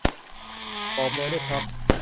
บอกเบอร์ด้วยครับ